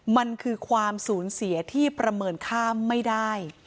มันคือความสูญเสียที่ประเมินค่าไม่ได้